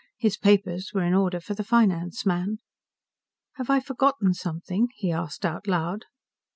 His papers were in order for the finance man. "Have I forgotten something?" he asked out loud.